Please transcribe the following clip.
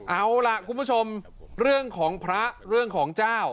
เอาล่ะคุณผู้ชมเรื่องของพระเรื่องของเจ้า